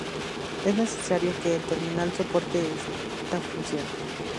Es necesario que el terminal soporte esta función.